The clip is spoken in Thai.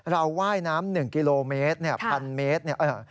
เราว่ายน้ำ๑กิโลเมตรพันเมตร